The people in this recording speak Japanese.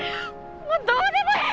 もうどうでもいい！